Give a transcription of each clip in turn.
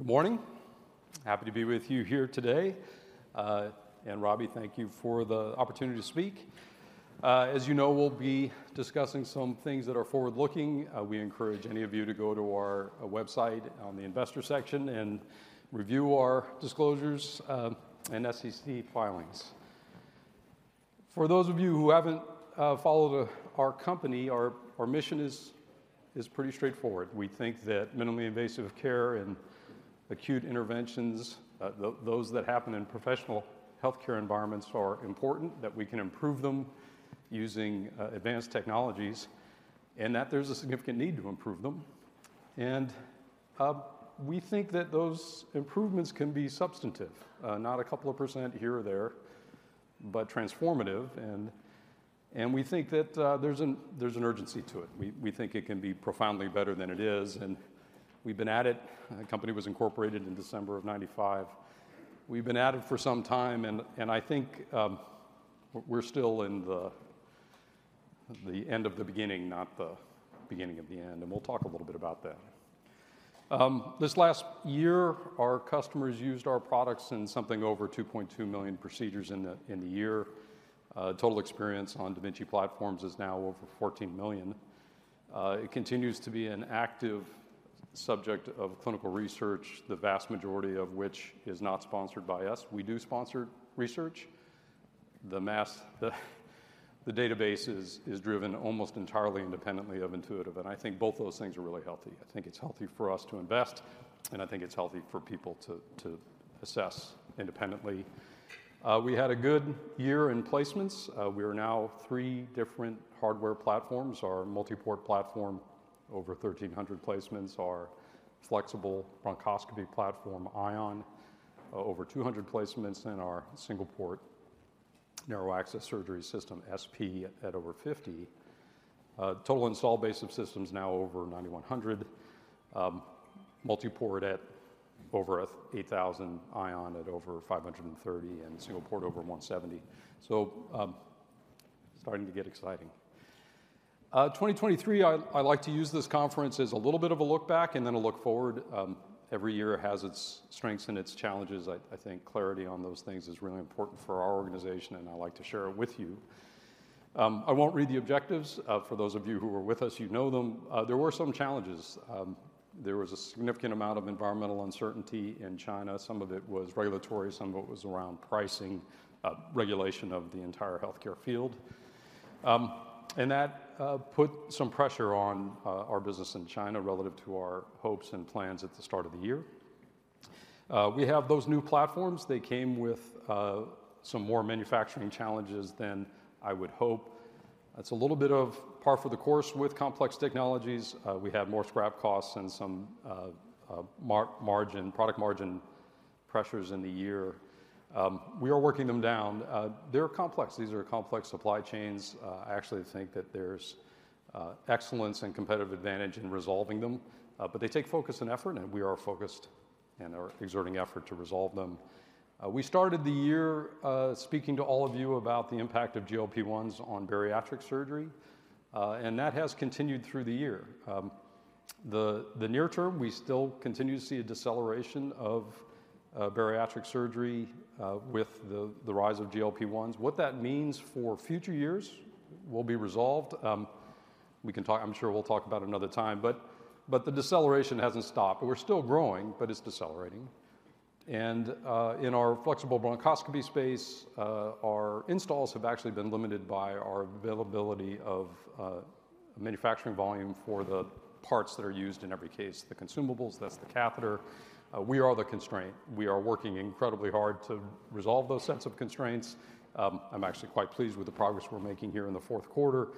Good morning. Happy to be with you here today. Robbie, thank you for the opportunity to speak. As you know, we'll be discussing some things that are forward-looking. We encourage any of you to go to our website on the investor section and review our disclosures and SEC filings. For those of you who haven't followed our company, our mission is pretty straightforward. We think that minimally invasive care and acute interventions, those that happen in professional healthcare environments, are important, that we can improve them using advanced technologies, and that there's a significant need to improve them. And we think that those improvements can be substantive, not a couple of percent here or there, but transformative. And we think that there's an urgency to it. We think it can be profoundly better than it is, and we've been at it. The company was incorporated in December of 1995. We've been at it for some time, and I think we're still in the end of the beginning, not the beginning of the end, and we'll talk a little bit about that. This last year, our customers used our products in something over 2.2 million procedures in the year. Total experience on da Vinci platforms is now over 14 million. It continues to be an active subject of clinical research, the vast majority of which is not sponsored by us. We do sponsor research. The massive database is driven almost entirely independently of Intuitive, and I think both those things are really healthy. I think it's healthy for us to invest, and I think it's healthy for people to, to assess independently. We had a good year in placements. We are now three different hardware platforms. Our MultiPort platform, over 1,300 placements; our flexible bronchoscopy platform, Ion, over 200 placements; and our Single-Port narrow access surgery system, SP, at over 50. Total install base of systems now over 9,100. MultiPort at over 8,000, Ion at over 530, and Single-Port over 170. So, starting to get exciting. 2023, I like to use this conference as a little bit of a look back and then a look forward. Every year has its strengths and its challenges. I think clarity on those things is really important for our organization, and I'd like to share it with you. I won't read the objectives. For those of you who were with us, you know them. There were some challenges. There was a significant amount of environmental uncertainty in China. Some of it was regulatory, some of it was around pricing, regulation of the entire healthcare field. And that put some pressure on our business in China relative to our hopes and plans at the start of the year. We have those new platforms. They came with some more manufacturing challenges than I would hope. That's a little bit of par for the course with complex technologies. We had more scrap costs and some margin, product margin pressures in the year. We are working them down. They're complex. These are complex supply chains. I actually think that there's excellence and competitive advantage in resolving them, but they take focus and effort, and we are focused and are exerting effort to resolve them. We started the year speaking to all of you about the impact of GLP-1s on bariatric surgery, and that has continued through the year. The near term, we still continue to see a deceleration of bariatric surgery with the rise of GLP-1s. What that means for future years will be resolved. We can talk. I'm sure we'll talk about it another time, but the deceleration hasn't stopped. We're still growing, but it's decelerating. And in our flexible bronchoscopy space, our installs have actually been limited by our availability of manufacturing volume for the parts that are used in every case, the consumables, that's the catheter. We are the constraint. We are working incredibly hard to resolve those sets of constraints. I'm actually quite pleased with the progress we're making here in the Q4,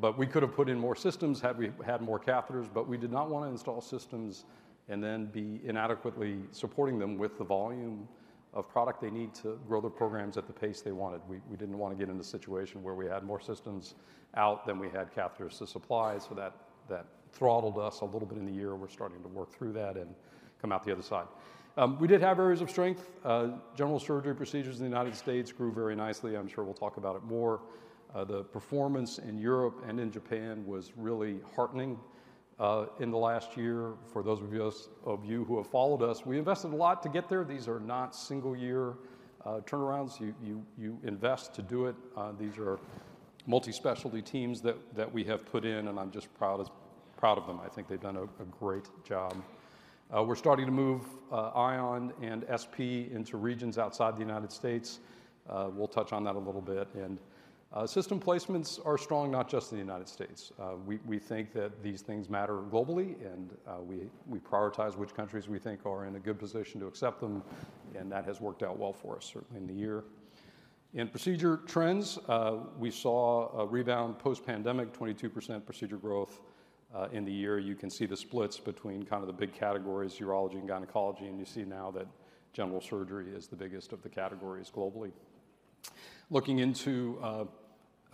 but we could have put in more systems had we had more catheters, but we did not want to install systems and then be inadequately supporting them with the volume of product they need to grow their programs at the pace they wanted. We didn't want to get in the situation where we had more systems out than we had catheters to supply, so that throttled us a little bit in the year. We're starting to work through that and come out the other side. We did have areas of strength. General surgery procedures in the United States grew very nicely. I'm sure we'll talk about it more. The performance in Europe and in Japan was really heartening in the last year. For those of us, of you who have followed us, we invested a lot to get there. These are not single-year turnarounds. You, you, you invest to do it. These are multi-specialty teams that, that we have put in, and I'm just proud of, proud of them. I think they've done a, a great job. We're starting to move Ion and SP into regions outside the United States. We'll touch on that a little bit. System placements are strong, not just in the United States. We, we think that these things matter globally, and we, we prioritize which countries we think are in a good position to accept them, and that has worked out well for us, certainly in the year. In procedure trends, we saw a rebound post-pandemic, 22% procedure growth in the year. You can see the splits between kind of the big categories, urology and gynecology, and you see now that general surgery is the biggest of the categories globally. Looking into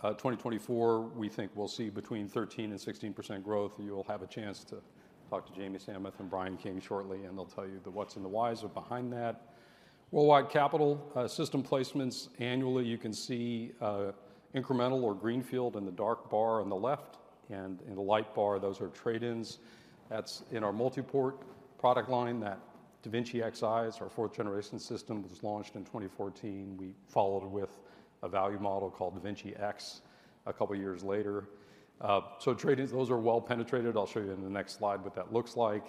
2024, we think we'll see between 13% and 16% growth. You will have a chance to talk to Jamie Samath and Brian King shortly, and they'll tell you the whats and the whys are behind that worldwide capital system placements annually. You can see incremental or greenfield in the dark bar on the left, and in the light bar, those are trade-ins. That's in our multi-port product line, that da Vinci Xi, it's our fourth generation system, was launched in 2014. We followed with a value model called da Vinci X a couple of years later. So trade-ins, those are well penetrated. I'll show you in the next slide what that looks like.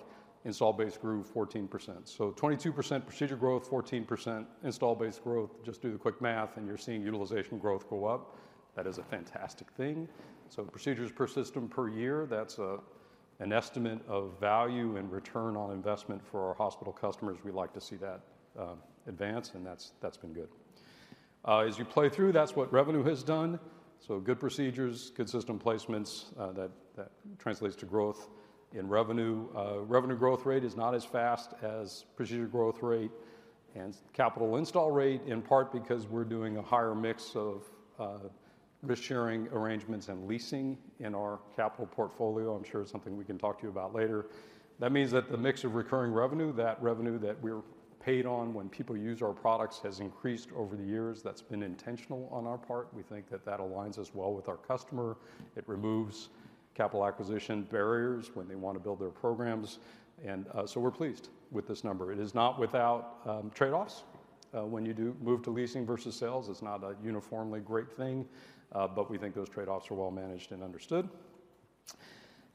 Install base grew 14%. So 22% procedure growth, 14% install base growth. Just do the quick math, and you're seeing utilization growth go up. That is a fantastic thing. So procedures per system per year, that's an estimate of value and return on investment for our hospital customers. We like to see that advance, and that's, that's been good. As you play through, that's what revenue has done. So good procedures, good system placements, that, that translates to growth in revenue. Revenue growth rate is not as fast as procedure growth rate and capital install rate, in part because we're doing a higher mix of risk-sharing arrangements and leasing in our capital portfolio. I'm sure it's something we can talk to you about later. That means that the mix of recurring revenue, that revenue that we're paid on when people use our products, has increased over the years. That's been intentional on our part. We think that that aligns us well with our customer. It removes capital acquisition barriers when they want to build their programs, and so we're pleased with this number. It is not without trade-offs. When you do move to leasing versus sales, it's not a uniformly great thing, but we think those trade-offs are well-managed and understood.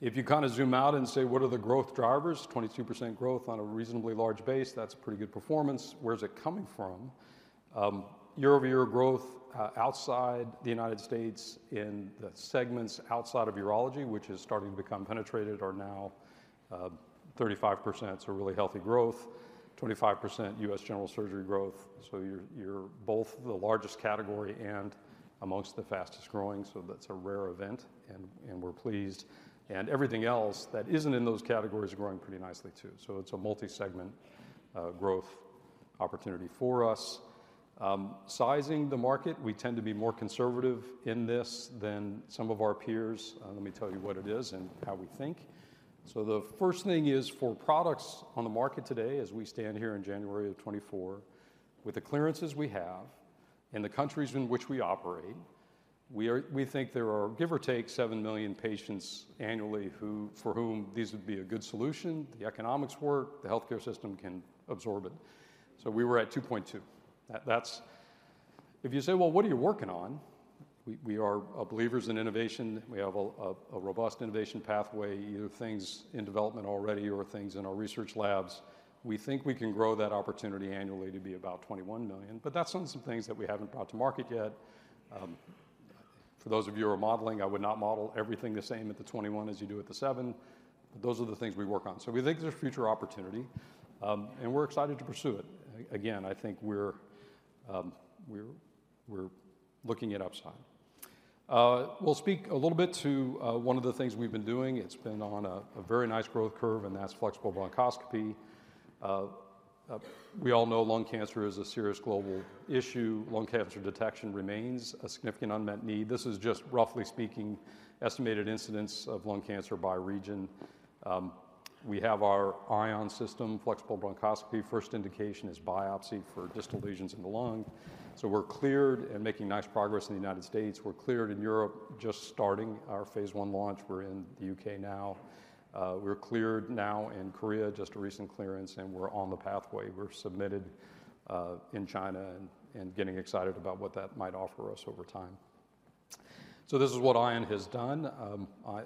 If you kind of zoom out and say: What are the growth drivers? 22% growth on a reasonably large base, that's pretty good performance. Where is it coming from? Year-over-year growth outside the United States in the segments outside of urology, which is starting to become penetrated, are now 35%, so really healthy growth, 25% U.S. general surgery growth. So you're, you're both the largest category and amongst the fastest growing, so that's a rare event, and, and we're pleased. And everything else that isn't in those categories are growing pretty nicely, too. So it's a multi-segment growth opportunity for us. Sizing the market, we tend to be more conservative in this than some of our peers. Let me tell you what it is and how we think. So the first thing is, for products on the market today, as we stand here in January of 2024, with the clearances we have and the countries in which we operate, we are, we think there are, give or take, seven million patients annually who, for whom these would be a good solution. The economics work, the healthcare system can absorb it. So we were at 2.2. That, that's if you say, "Well, what are you working on?" We, we are believers in innovation. We have a robust innovation pathway, either things in development already or things in our research labs. We think we can grow that opportunity annually to be about 21 million, but that's on some things that we haven't brought to market yet. For those of you who are modeling, I would not model everything the same at the 21 as you do at the seven, but those are the things we work on. So we think there's future opportunity, and we're excited to pursue it. Again, I think we're looking at upside. We'll speak a little bit to one of the things we've been doing. It's been on a very nice growth curve, and that's flexible bronchoscopy. We all know lung cancer is a serious global issue. Lung cancer detection remains a significant unmet need. This is just, roughly speaking, estimated incidence of lung cancer by region. We have our Ion system, flexible bronchoscopy. First, indication is biopsy for distal lesions in the lung. So we're cleared and making nice progress in the United States. We're cleared in Europe, just starting our phase I launch. We're in the U.K. now. We're cleared now in Korea, just a recent clearance, and we're on the pathway. We're submitted in China and, and getting excited about what that might offer us over time. So this is what Ion has done.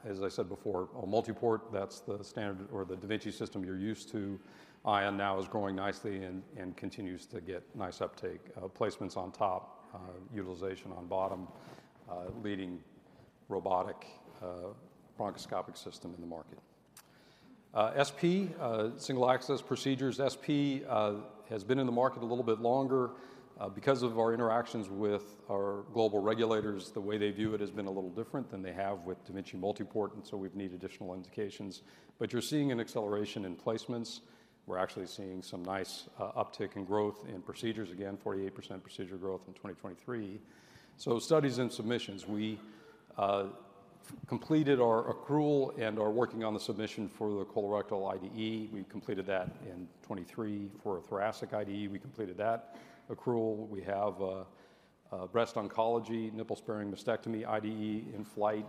As I said before, on multi-port, that's the standard or the da Vinci system you're used to. Ion now is growing nicely and, and continues to get nice uptake. Placements on top, utilization on bottom, leading robotic, bronchoscopic system in the market. SP, single access procedures. SP has been in the market a little bit longer. Because of our interactions with our global regulators, the way they view it has been a little different than they have with da Vinci MultiPort, and so we've needed additional indications. But you're seeing an acceleration in placements. We're actually seeing some nice uptick in growth in procedures. Again, 48% procedure growth in 2023. So studies and submissions, we completed our accrual and are working on the submission for the Colorectal IDE. We completed that in 2023. For a Thoracic IDE, we completed that accrual. We have a breast oncology, Nipple-Sparing Mastectomy IDE in flight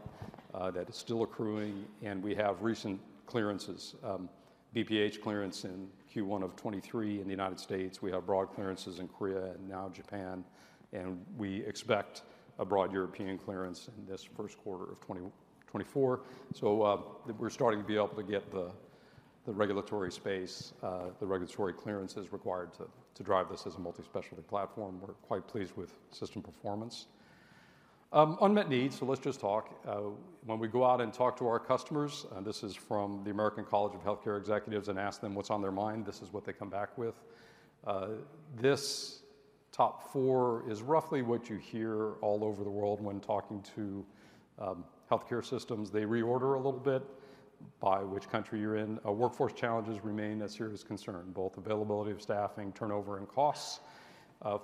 that is still accruing, and we have recent clearances. BPH clearance in Q1 of 2023 in the United States. We have broad clearances in Korea and now Japan, and we expect a broad European clearance in this Q1 of 2024. So, we're starting to be able to get the regulatory space, the regulatory clearances required to drive this as a multi-specialty platform. We're quite pleased with system performance. Unmet needs, so let's just talk. When we go out and talk to our customers, and this is from the American College of Healthcare Executives, and ask them what's on their mind, this is what they come back with. This top four is roughly what you hear all over the world when talking to healthcare systems. They reorder a little bit by which country you're in. Workforce challenges remain a serious concern, both availability of staffing, turnover, and costs.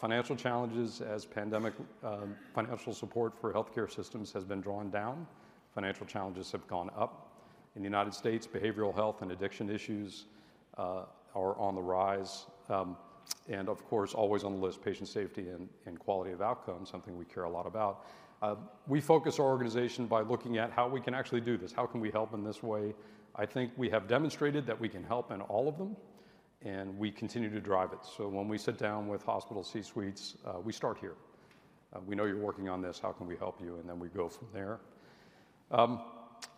Financial challenges as pandemic financial support for healthcare systems has been drawn down, financial challenges have gone up. In the United States, behavioral health and addiction issues are on the rise. And of course, always on the list, patient safety and quality of outcome, something we care a lot about. We focus our organization by looking at how we can actually do this. How can we help in this way? I think we have demonstrated that we can help in all of them, and we continue to drive it. So when we sit down with hospital C-suites, we start here. "We know you're working on this, how can we help you?" And then we go from there.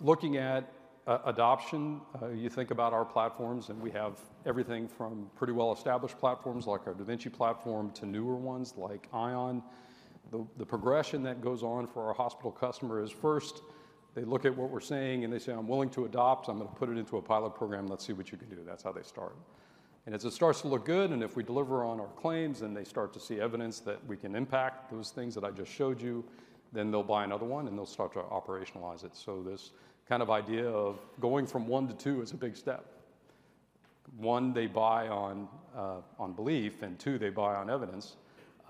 Looking at adoption, you think about our platforms, and we have everything from pretty well-established platforms like our da Vinci platform to newer ones like Ion. The progression that goes on for our hospital customer is first, they look at what we're saying, and they say, "I'm willing to adopt. I'm going to put it into a pilot program. Let's see what you can do." That's how they start. And as it starts to look good, and if we deliver on our claims, then they start to see evidence that we can impact those things that I just showed you, then they'll buy another one, and they'll start to operationalize it. So this kind of idea of going from one to two is a big step. One, they buy on, on belief, and two, they buy on evidence.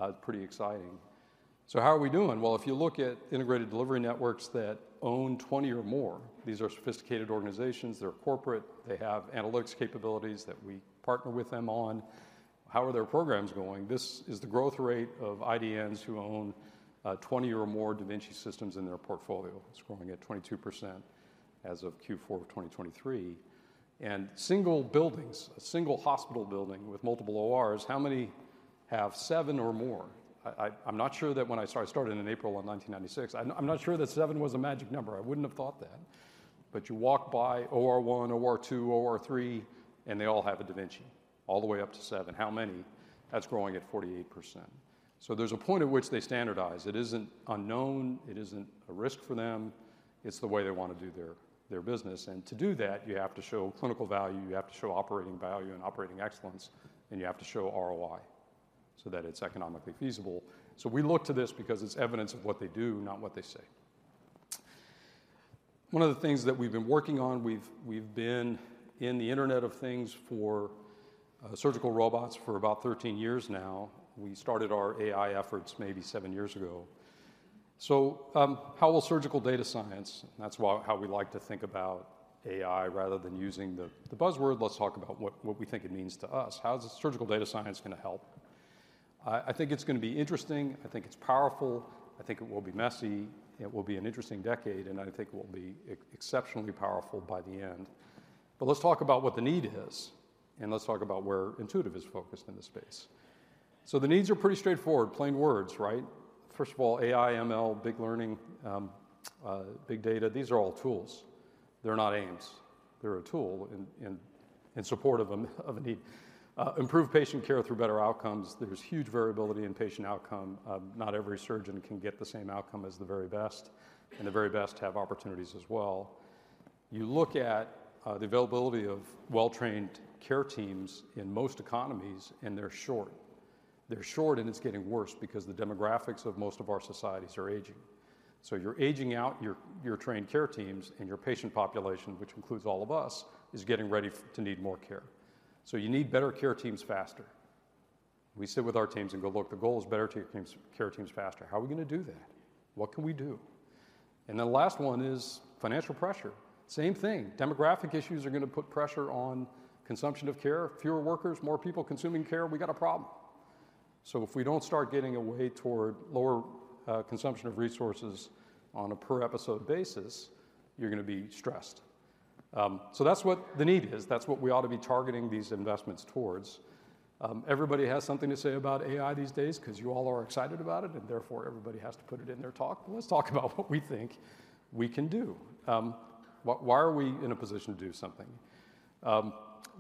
It's pretty exciting. So how are we doing? Well, if you look at integrated delivery networks that own 20 or more, these are sophisticated organizations. They're corporate. They have analytics capabilities that we partner with them on. How are their programs going? This is the growth rate of IDNs who own 20 or more da Vinci systems in their portfolio. It's growing at 22% as of Q4 of 2023. Single buildings, a single hospital building with multiple ORs, how many have seven or more? I'm not sure that when I started, I started in April of 1996. I'm not sure that seven was a magic number. I wouldn't have thought that. But you walk by OR 1, OR 2, OR 3, and they all have a da Vinci, all the way up to seven. How many? That's growing at 48%. So there's a point at which they standardize. It isn't unknown, it isn't a risk for them, it's the way they want to do their business. To do that, you have to show clinical value, you have to show operating value and operating excellence, and you have to show ROI so that it's economically feasible. We look to this because it's evidence of what they do, not what they say. One of the things that we've been working on we've been in the Internet of Things for surgical robots for about 13 years now. We started our AI efforts maybe seven years ago. How will surgical data science, that's why, how we like to think about AI, rather than using the buzzword, let's talk about what we think it means to us. How is surgical data science gonna help? I think it's gonna be interesting, I think it's powerful, I think it will be messy, it will be an interesting decade, and I think it will be exceptionally powerful by the end. But let's talk about what the need is, and let's talk about where Intuitive is focused in this space. So the needs are pretty straightforward, plain words, right? First of all, AI, ML, big learning, big data, these are all tools. They're not aims. They're a tool in support of a need. Improve patient care through better outcomes. There's huge variability in patient outcome. Not every surgeon can get the same outcome as the very best, and the very best have opportunities as well. You look at the availability of well-trained care teams in most economies, and they're short. They're short, and it's getting worse because the demographics of most of our societies are aging. So you're aging out your trained care teams, and your patient population, which includes all of us, is getting ready to need more care. So you need better care teams faster. We sit with our teams and go, "Look, the goal is better care teams, care teams faster. How are we gonna do that? What can we do?" And the last one is financial pressure. Same thing. Demographic issues are gonna put pressure on consumption of care. Fewer workers, more people consuming care, we got a problem. So if we don't start getting a way toward lower consumption of resources on a per-episode basis, you're gonna be stressed. So that's what the need is. That's what we ought to be targeting these investments towards. Everybody has something to say about AI these days 'cause you all are excited about it, and therefore, everybody has to put it in their talk. Let's talk about what we think we can do. Why, why are we in a position to do something?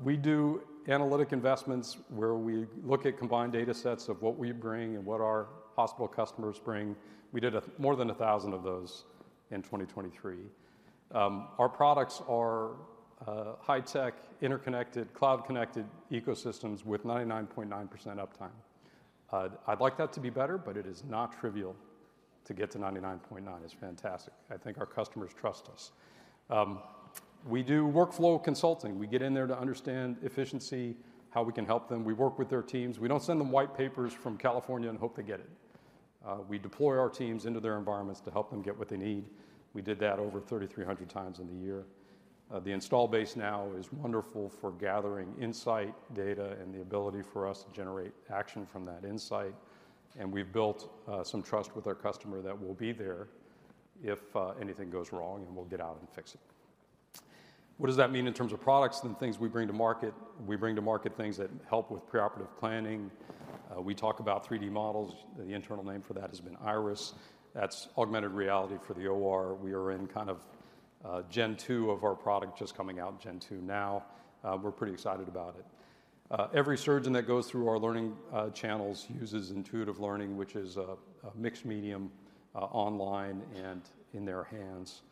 We do analytic investments where we look at combined data sets of what we bring and what our hospital customers bring. We did more than a thousand of those in 2023. Our products are high-tech, interconnected, cloud-connected ecosystems with 99.9% uptime. I'd like that to be better, but it is not trivial to get to 99.9. It's fantastic. I think our customers trust us. We do workflow consulting. We get in there to understand efficiency, how we can help them. We work with their teams. We don't send them white papers from California and hope they get it. We deploy our teams into their environments to help them get what they need. We did that over 3,300 times in the year. The install base now is wonderful for gathering insight, data, and the ability for us to generate action from that insight. And we've built some trust with our customer that we'll be there if anything goes wrong, and we'll get out and fix it. What does that mean in terms of products and things we bring to market? We bring to market things that help with preoperative planning. We talk about 3D models. The internal name for that has been Iris. That's augmented reality for the OR. We are in kind of gen 2 of our product, just coming out gen 2 now. We're pretty excited about it. Every surgeon that goes through our learning channels uses Intuitive Learning, which is a mixed medium online and in their hands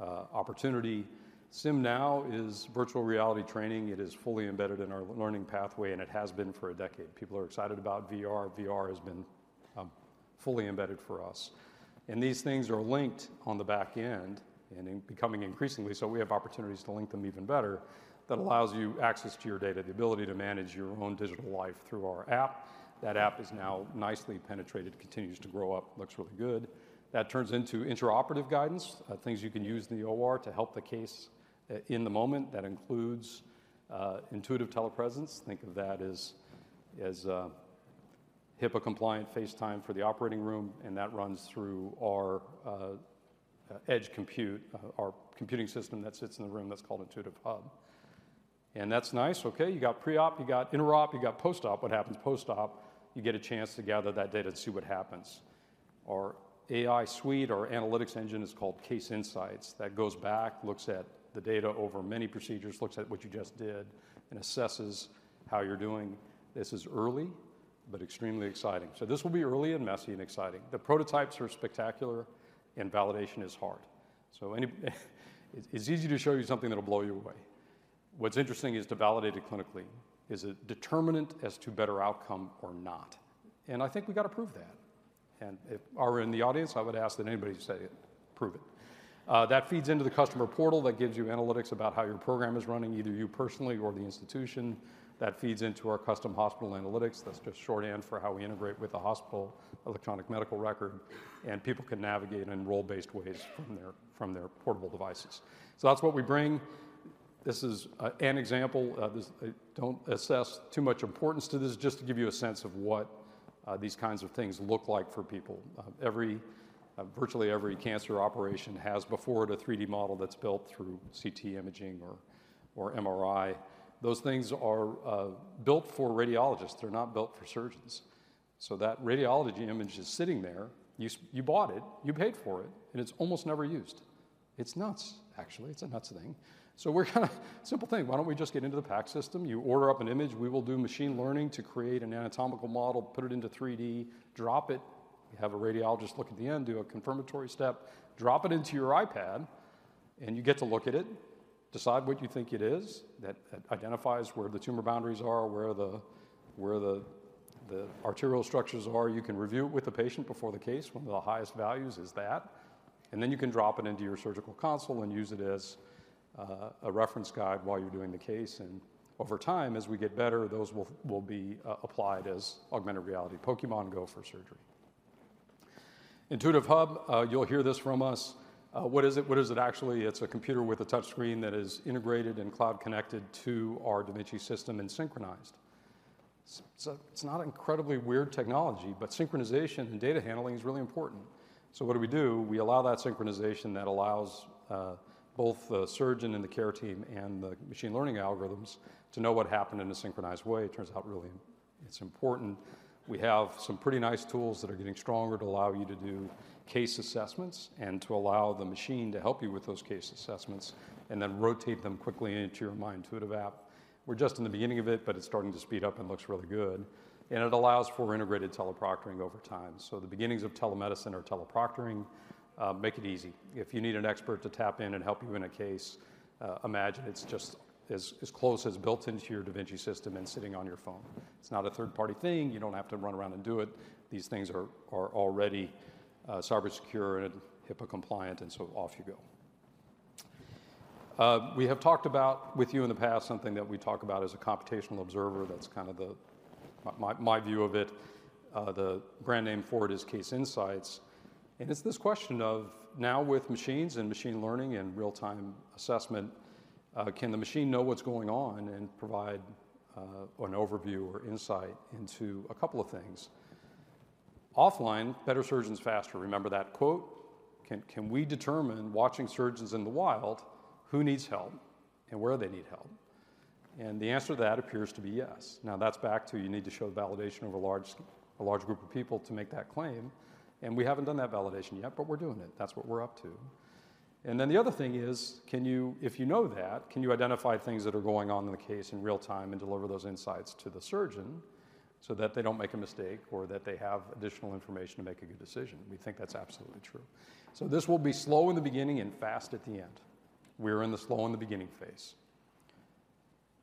opportunity. SimNow is virtual reality training. It is fully embedded in our learning pathway, and it has been for a decade. People are excited about VR. VR has been fully embedded for us. And these things are linked on the back end and becoming increasingly, so we have opportunities to link them even better. That allows you access to your data, the ability to manage your own digital life through our app. That app is now nicely penetrated, continues to grow up, looks really good. That turns into intraoperative guidance, things you can use in the OR to help the case in the moment. That includes Intuitive Telepresence. Think of that as- is a HIPAA-compliant FaceTime for the Operating Room, and that runs through our, Edge Compute, our computing system that sits in the room that's called Intuitive Hub. And that's nice. Okay, you got pre-op, you got interop, you got post-op. What happens post-op? You get a chance to gather that data to see what happens. Our AI suite, our analytics engine is called Case Insights. That goes back, looks at the data over many procedures, looks at what you just did, and assesses how you're doing. This is early, but extremely exciting. So this will be early and messy and exciting. The prototypes are spectacular, and validation is hard. So it's easy to show you something that'll blow you away. What's interesting is to validate it clinically. Is it determinant as to better outcome or not? And I think we gotta prove that. If you are in the audience, I would ask that anybody say it, "Prove it." That feeds into the customer portal, that gives you analytics about how your program is running, either you personally or the institution. That feeds into our custom hospital analytics. That's just shorthand for how we integrate with the hospital electronic medical record, and people can navigate in role-based ways from their portable devices. So that's what we bring. This is an example. Don't assess too much importance to this, just to give you a sense of what these kinds of things look like for people. Virtually every cancer operation has before it a 3D model that's built through CT imaging or MRI. Those things are built for radiologists. They're not built for surgeons. So that radiology image is sitting there, you bought it, you paid for it, and it's almost never used. It's nuts, actually. It's a nuts thing. So we're kinda, simple thing, why don't we just get into the PACS system? You order up an image, we will do machine learning to create an anatomical model, put it into 3D, drop it, have a radiologist look at the end, do a confirmatory step, drop it into your iPad, and you get to look at it, decide what you think it is, that identifies where the tumor boundaries are, where the arterial structures are. You can review it with the patient before the case. One of the highest values is that. And then you can drop it into your surgical console and use it as a reference guide while you're doing the case. And over time, as we get better, those will be applied as augmented reality. Pokémon Go for surgery. Intuitive Hub, you'll hear this from us. What is it, actually? It's a computer with a touch screen that is integrated and cloud-connected to our da Vinci system and synchronized. So it's not incredibly weird technology, but synchronization and data handling is really important. So what do we do? We allow that synchronization that allows both the surgeon and the care team and the machine learning algorithms to know what happened in a synchronized way. It turns out, really, it's important. We have some pretty nice tools that are getting stronger to allow you to do case assessments and to allow the machine to help you with those case assessments, and then rotate them quickly into your My Intuitive app. We're just in the beginning of it, but it's starting to speed up and looks really good, and it allows for integrated teleproctoring over time. So the beginnings of telemedicine or teleproctoring make it easy. If you need an expert to tap in and help you in a case, imagine it's just as close as built into your da Vinci system and sitting on your phone. It's not a third-party thing. You don't have to run around and do it. These things are already cyber secure and HIPAA-compliant, and so off you go. We have talked about, with you in the past, something that we talk about as a computational observer. That's kind of my view of it. The brand name for it is Case Insights, and it's this question of, now with machines and machine learning and real-time assessment, can the machine know what's going on and provide an overview or insight into a couple of things? Offline, better surgeons faster. Remember that quote? Can we determine, watching surgeons in the wild, who needs help and where they need help? And the answer to that appears to be yes. Now, that's back to you need to show validation of a large group of people to make that claim, and we haven't done that validation yet, but we're doing it. That's what we're up to. And then the other thing is, can you, if you know that, can you identify things that are going on in the case in real time and deliver those insights to the surgeon so that they don't make a mistake or that they have additional information to make a good decision? We think that's absolutely true. So this will be slow in the beginning and fast at the end. We're in the slow in the beginning phase.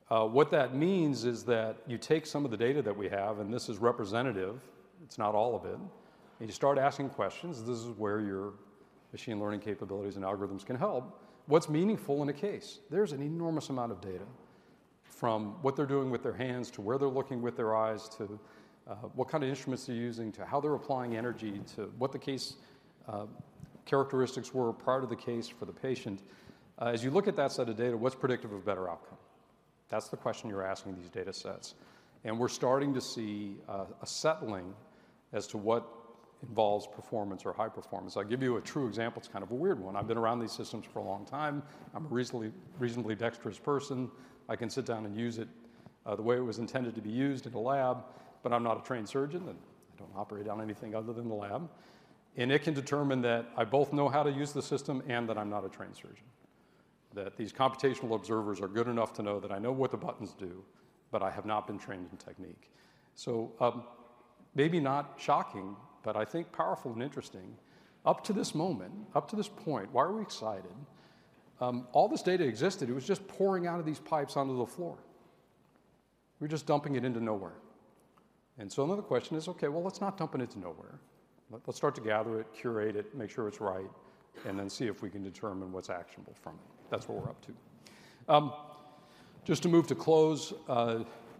What that means is that you take some of the data that we have, and this is representative, it's not all of it, and you start asking questions. This is where your machine learning capabilities and algorithms can help. What's meaningful in a case? There's an enormous amount of data, from what they're doing with their hands, to where they're looking with their eyes, to what kind of instruments they're using, to how they're applying energy, to what the case characteristics were prior to the case for the patient. As you look at that set of data, what's predictive of better outcome? That's the question you're asking these data sets. And we're starting to see a settling as to what involves performance or high performance. I'll give you a true example. It's kind of a weird one. I've been around these systems for a long time. I'm a reasonably, reasonably dexterous person. I can sit down and use it the way it was intended to be used in a lab, but I'm not a trained surgeon, and I don't operate on anything other than the lab. It can determine that I both know how to use the system and that I'm not a trained surgeon, that these computational observers are good enough to know that I know what the buttons do, but I have not been trained in technique. So, maybe not shocking, but I think powerful and interesting. Up to this moment, up to this point, why are we excited? All this data existed. It was just pouring out of these pipes onto the floor. We're just dumping it into nowhere. And so another question is, okay, well, let's not dump it into nowhere. Let's start to gather it, curate it, make sure it's right, and then see if we can determine what's actionable from it. That's what we're up to. Just to move to close,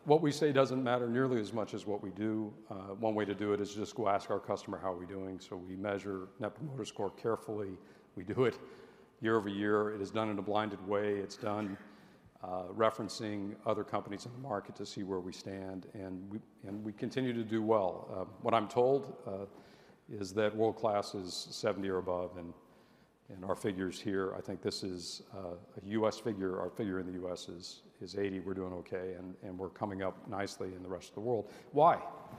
what we say doesn't matter nearly as much as what we do. One way to do it is just go ask our customer, how are we doing? So we measure Net Promoter Score carefully. We do it year-over-year. It is done in a blinded way. It's done, referencing other companies in the market to see where we stand, and we, and we continue to do well. What I'm told is that world class is 70 or above, and, and our figures here, I think this is a U.S. figure. Our figure in the U.S. is 80. We're doing okay, and, and we're coming up nicely in the rest of the world. Why?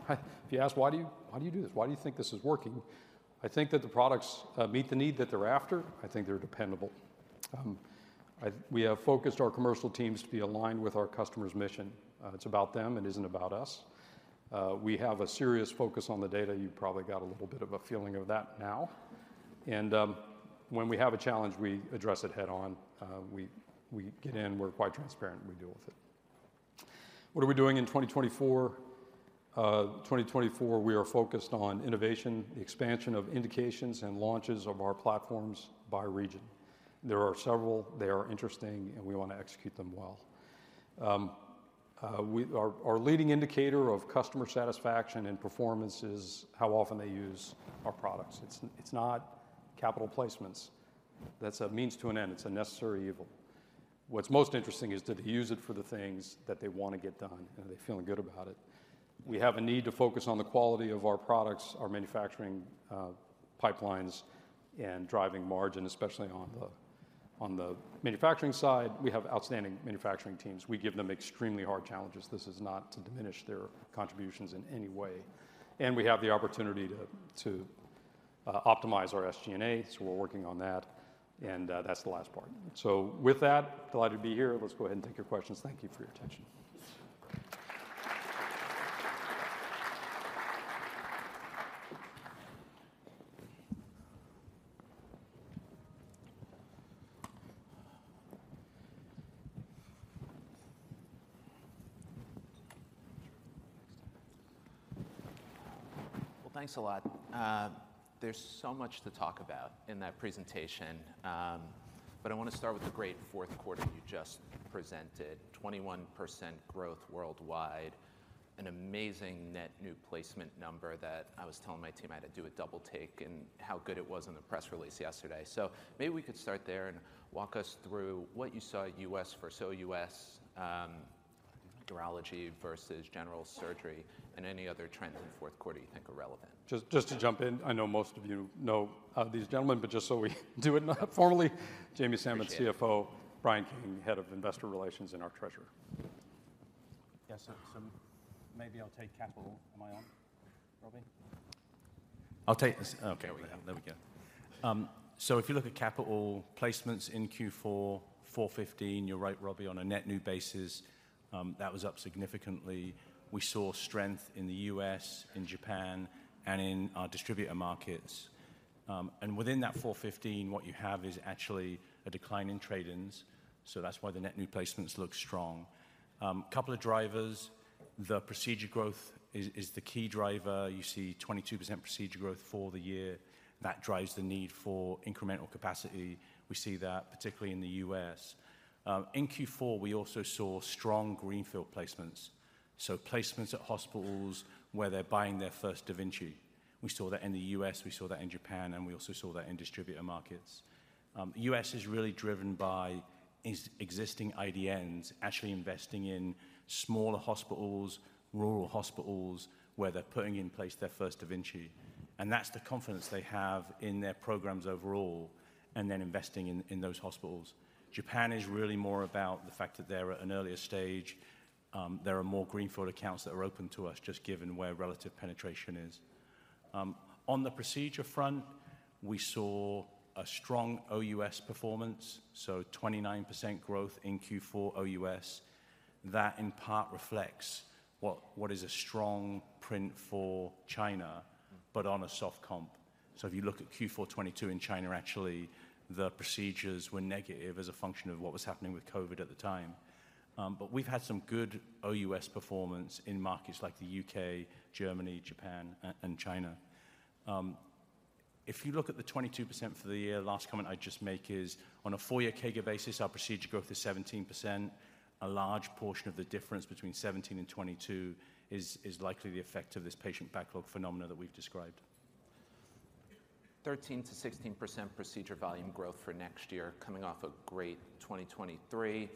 If you ask: Why do you, why do you do this? Why do you think this is working? I think that the products meet the need that they're after. I think they're dependable. We have focused our commercial teams to be aligned with our customer's mission. It's about them, it isn't about us. We have a serious focus on the data. You've probably got a little bit of a feeling of that now. And when we have a challenge, we address it head-on. We get in, we're quite transparent, and we deal with it. What are we doing in 2024? 2024, we are focused on innovation, expansion of indications, and launches of our platforms by region. There are several, they are interesting, and we want to execute them well. Our leading indicator of customer satisfaction and performance is how often they use our products. It's not capital placements. That's a means to an end. It's a necessary evil. What's most interesting is, did they use it for the things that they want to get done, and are they feeling good about it? We have a need to focus on the quality of our products, our manufacturing, pipelines, and driving margin, especially on the manufacturing side. We have outstanding manufacturing teams. We give them extremely hard challenges. This is not to diminish their contributions in any way. And we have the opportunity to optimize our SG&A, so we're working on that, and, that's the last part. So with that, delighted to be here. Let's go ahead and take your questions. Thank you for your attention. Well, thanks a lot. There's so much to talk about in that presentation, but I want to start with the great Q4 you just presented. 21% growth worldwide, an amazing net new placement number that I was telling my team I had to do a double-take in how good it was in the press release yesterday. So maybe we could start there, and walk us through what you saw at U.S. versus OUS, urology versus general surgery, and any other trends in the Q4 you think are relevant. Just, just to jump in, I know most of you know these gentlemen, but just so we do it formally- Appreciate it. Jamie Samath, CFO. Brian King, Head of Investor Relations and our Treasurer. Yes, so maybe I'll take capital. Am I on, Robbie? I'll take this. Okay, there we go. So if you look at capital placements in Q4 2015, you're right, Robbie, on a net new basis, that was up significantly. We saw strength in the U.S., in Japan, and in our distributor markets. And within that 2015, what you have is actually a decline in trade-ins, so that's why the net new placements look strong. Couple of drivers, the procedure growth is the key driver. You see 22% procedure growth for the year. That drives the need for incremental capacity. We see that particularly in the U.S. In Q4, we also saw strong greenfield placements, so placements at hospitals where they're buying their first da Vinci. We saw that in the U.S., we saw that in Japan, and we also saw that in distributor markets. U.S. is really driven by existing IDNs actually investing in smaller hospitals, rural hospitals, where they're putting in place their first da Vinci. And that's the confidence they have in their programs overall, and then investing in those hospitals. Japan is really more about the fact that they're at an earlier stage. There are more greenfield accounts that are open to us, just given where relative penetration is. On the procedure front, we saw a strong OUS performance, so 29% growth in Q4 OUS. That, in part, reflects what is a strong print for China, but on a soft comp. So if you look at Q4 2022 in China, actually, the procedures were negative as a function of what was happening with COVID at the time. But we've had some good OUS performance in markets like the UK, Germany, Japan, and China. If you look at the 22% for the year, last comment I'd just make is, on a four-year CAGR basis, our procedure growth is 17%. A large portion of the difference between 17 and 22 is likely the effect of this patient backlog phenomena that we've described. 13%-16% procedure volume growth for next year, coming off a great 2023.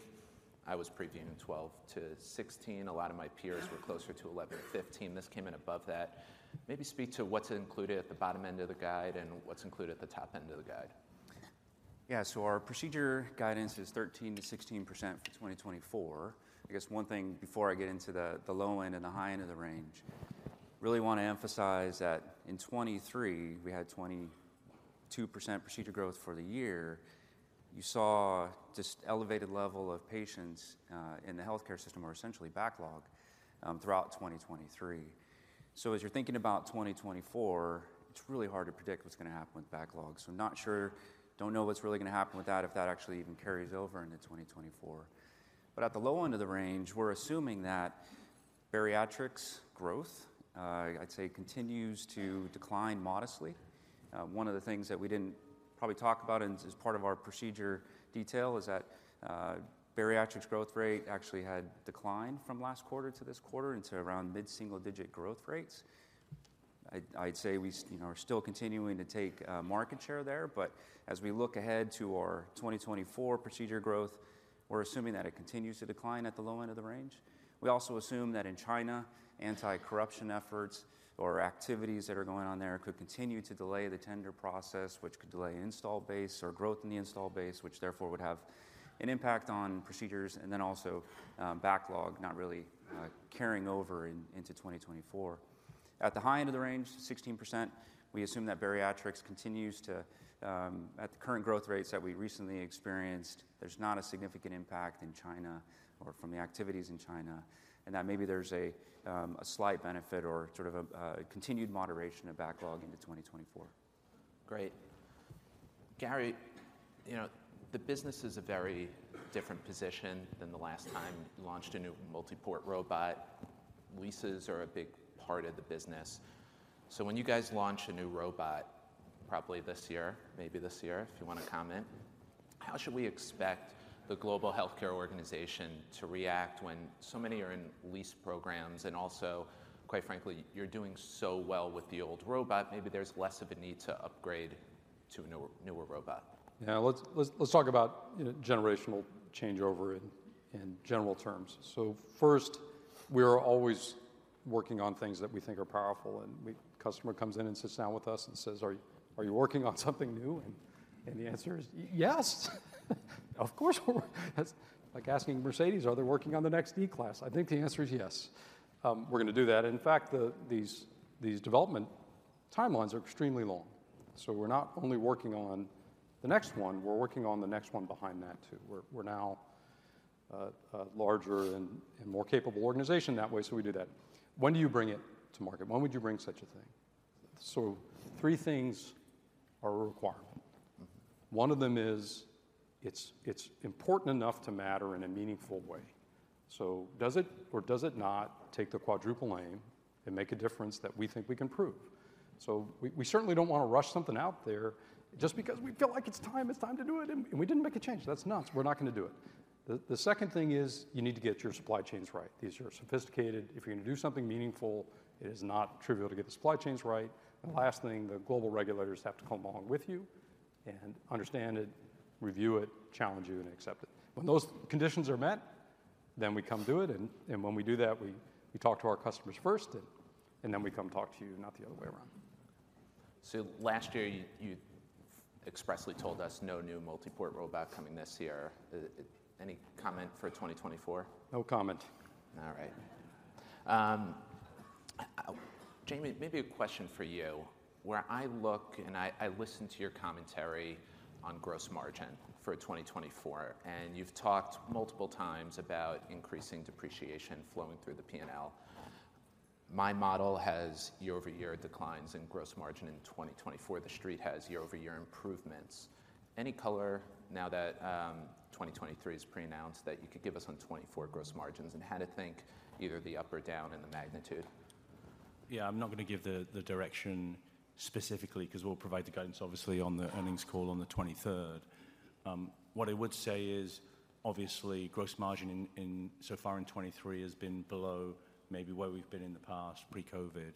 I was previewing 12%-16%. A lot of my peers were closer to 11%-15%. This came in above that. Maybe speak to what's included at the bottom end of the guide, and what's included at the top end of the guide. Yeah. So our procedure guidance is 13%-16% for 2024. I guess one thing before I get into the low end and the high end of the range, really want to emphasize that in 2023, we had 22% procedure growth for the year. You saw just elevated level of patients in the healthcare system are essentially backlog throughout 2023. So as you're thinking about 2024, it's really hard to predict what's going to happen with backlogs. So not sure, don't know what's really going to happen with that, if that actually even carries over into 2024. But at the low end of the range, we're assuming that bariatrics growth, I'd say, continues to decline modestly. One of the things that we didn't probably talk about and as part of our procedure detail is that bariatric growth rate actually had declined from last quarter to this quarter into around mid-single-digit growth rates. I'd say we, you know, are still continuing to take market share there. But as we look ahead to our 2024 procedure growth, we're assuming that it continues to decline at the low end of the range. We also assume that in China, anti-corruption efforts or activities that are going on there could continue to delay the tender process, which could delay install base or growth in the install base, which therefore would have an impact on procedures, and then also, backlog, not really carrying over into 2024. At the high end of the range, 16%, we assume that bariatrics continues to, at the current growth rates that we recently experienced, there's not a significant impact in China or from the activities in China, and that maybe there's a slight benefit or sort of a continued moderation of backlog into 2024. Great. Gary, you know, the business is a very different position than the last time you launched a new multi-port robot. Leases are a big part of the business. So when you guys launch a new robot, probably this year, maybe this year, if you wanna comment, how should we expect the global healthcare organization to react when so many are in lease programs? And also, quite frankly, you're doing so well with the old robot, maybe there's less of a need to upgrade to a newer robot. Yeah, let's talk about, you know, generational changeover in general terms. So first, we are always working on things that we think are powerful, and customer comes in and sits down with us and says: "Are you working on something new?" And the answer is: "Yes! Of course we're." That's like asking Mercedes, are they working on the next E-Class? I think the answer is yes. We're gonna do that. In fact, these development timelines are extremely long. So we're not only working on the next one, we're working on the next one behind that, too. We're now a larger and more capable organization that way, so we do that. When do you bring it to market? When would you bring such a thing? So three things are a requirement. One of them is, it's important enough to matter in a meaningful way. So does it or does it not take the Quadruple Aim and make a difference that we think we can prove? So we certainly don't wanna rush something out there just because we feel like it's time to do it, and we didn't make a change. That's nuts. We're not gonna do it. The second thing is, you need to get your supply chains right. These are sophisticated. If you're gonna do something meaningful, it is not trivial to get the supply chains right. And last thing, the global regulators have to come along with you and understand it, review it, challenge you, and accept it. When those conditions are met, then we come do it, and when we do that, we talk to our customers first, and then we come talk to you, not the other way around. So last year, you expressly told us, no new multi-port robot coming this year. Any comment for 2024? No comment. All right. Jamie, maybe a question for you. Where I look, and I listened to your commentary on gross margin for 2024, and you've talked multiple times about increasing depreciation flowing through the P&L. My model has year-over-year declines in gross margin in 2024. The Street has year-over-year improvements. Any color now that 2023 is pre-announced, that you could give us on 2024 gross margins, and how to think either the up or down in the magnitude? Yeah, I'm not gonna give the direction specifically, 'cause we'll provide the guidance, obviously, on the earnings call on the 23rd. What I would say is, obviously, gross margin so far in 2023 has been below maybe where we've been in the past, pre-COVID.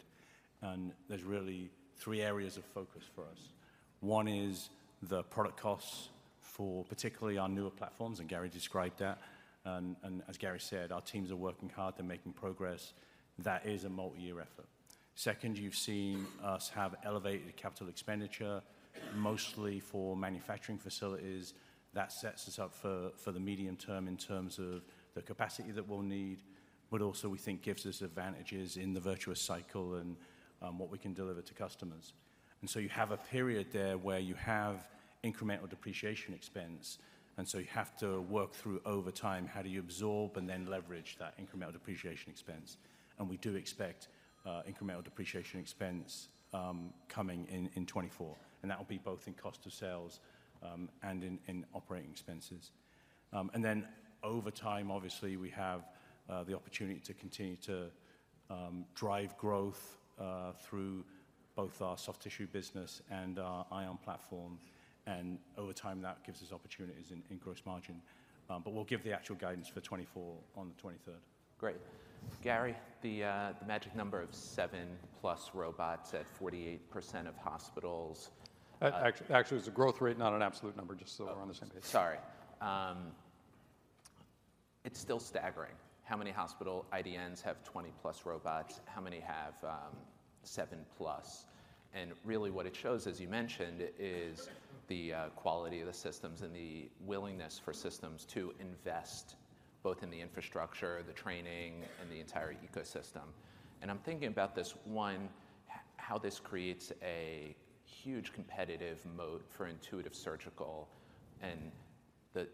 There's really three areas of focus for us. One is the product costs for particularly our newer platforms, and Gary described that. And as Gary said, our teams are working hard. They're making progress. That is a multi-year effort. Second, you've seen us have elevated capital expenditure, mostly for manufacturing facilities. That sets us up for the medium term in terms of the capacity that we'll need, but also we think gives us advantages in the virtuous cycle and what we can deliver to customers. And so you have a period there where you have incremental depreciation expense, and so you have to work through over time, how do you absorb and then leverage that incremental depreciation expense? And we do expect incremental depreciation expense coming in in 2024, and that will be both in cost of sales and in operating expenses. Then over time, obviously, we have the opportunity to continue to drive growth through both our soft tissue business and our Ion platform, and over time, that gives us opportunities in gross margin. We'll give the actual guidance for 2024 on the 23rd. Great. Gary, the magic number of 7+ robots at 48% of hospitals- Actually, it was a growth rate, not an absolute number, just so we're on the same page. Sorry. It's still staggering how many hospital IDNs have 20+ robots, how many have 7+. And really, what it shows, as you mentioned, is the quality of the systems and the willingness for systems to invest both in the infrastructure, the training, and the entire ecosystem. And I'm thinking about this, one, how this creates a huge competitive moat for Intuitive Surgical and the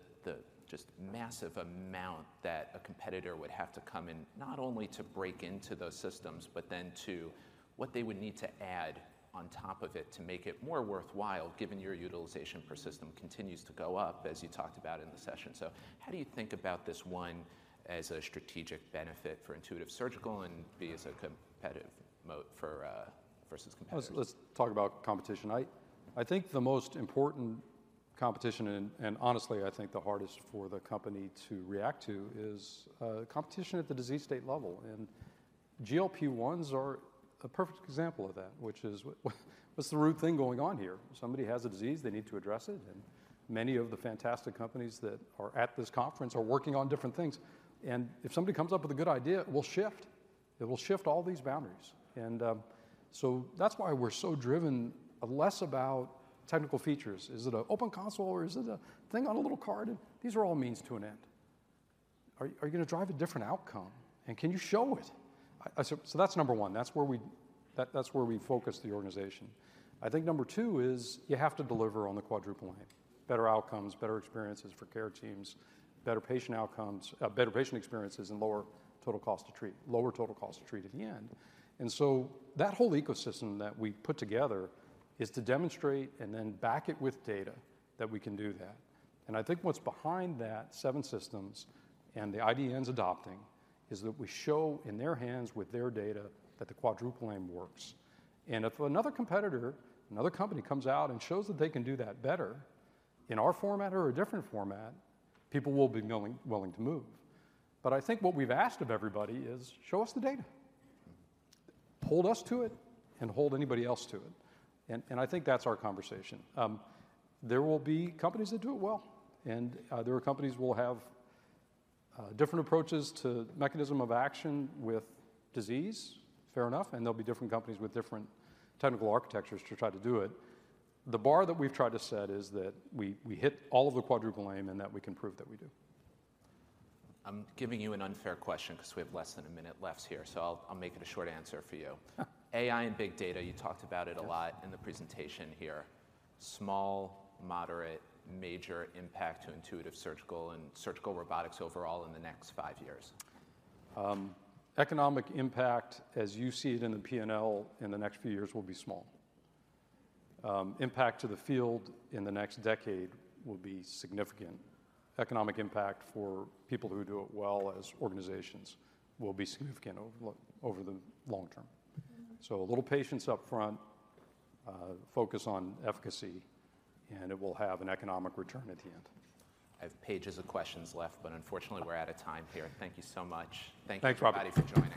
just massive amount that a competitor would have to come in, not only to break into those systems, but then to what they would need to add on top of it to make it more worthwhile, given your utilization per system continues to go up, as you talked about in the session. So how do you think about this, one, as a strategic benefit for Intuitive Surgical, and B, as a competitive moat for versus competitors? Let's talk about competition. I think the most important competition, and honestly, I think the hardest for the company to react to is competition at the disease state level. And GLP-1s are a perfect example of that, which is what's the new thing going on here? Somebody has a disease, they need to address it, and many of the fantastic companies that are at this conference are working on different things. And so that's why we're so driven, less about technical features. Is it an open console or is it a thing on a little card? These are all means to an end. Are you gonna drive a different outcome, and can you show it? So that's number one. That's where we focus the organization. I think number two is, you have to deliver on the Quadruple Aim: better outcomes, better experiences for care teams, better patient outcomes, better patient experiences, and lower total cost to treat, lower total cost to treat at the end. And so that whole ecosystem that we put together is to demonstrate and then back it with data that we can do that. And I think what's behind that, seven systems and the IDNs adopting, is that we show in their hands with their data that the Quadruple Aim works. And if another competitor, another company comes out and shows that they can do that better in our format or a different format, people will be willing, willing to move. But I think what we've asked of everybody is: show us the data. Hold us to it, and hold anybody else to it. And, and I think that's our conversation. There will be companies that do it well, and, there are companies who will have, different approaches to mechanism of action with disease. Fair enough, and there'll be different companies with different technical architectures to try to do it. The bar that we've tried to set is that we, we hit all of the Quadruple Aim and that we can prove that we do. I'm giving you an unfair question because we have less than a minute left here, so I'll, I'll make it a short answer for you. AI and big data, you talked about it a lot in the presentation here. Small, moderate, major impact to Intuitive Surgical and surgical robotics overall in the next five years. Economic impact, as you see it in the P&L in the next few years, will be small. Impact to the field in the next decade will be significant. Economic impact for people who do it well as organizations will be significant over the long term. So a little patience up front, focus on efficacy, and it will have an economic return at the end. I have pages of questions left, but unfortunately, we're out of time here. Thank you so much. Thanks, Robbie. Thank you, everybody, for joining.